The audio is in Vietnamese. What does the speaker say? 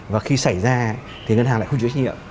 và khi xảy ra thì ngân hàng lại không chịu trách nhiệm